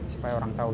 supaya orang tahu